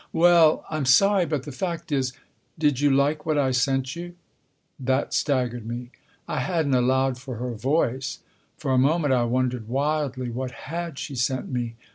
" Well I'm sorry but the fact is "" Did you like what I sent you ?" That staggered me. I hadn't allowed for her voice. For a moment I wondered wildly what had she sent me